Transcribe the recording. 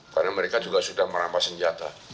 karena mereka juga sudah merampas senjata